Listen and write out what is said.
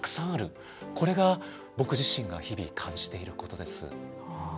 これが僕自身が日々感じていることです。